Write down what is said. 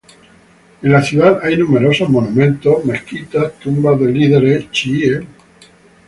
En la ciudad hay numerosos monumentos, mezquitas, tumbas de líderes chiíes.